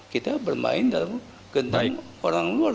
kita bermain dalam genteng orang luar